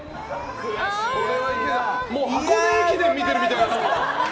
もう箱根駅伝見てるみたいです。